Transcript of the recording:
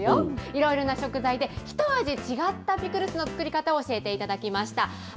いろいろな食材で、一味違ったピクルスの作り方を教えていただきました。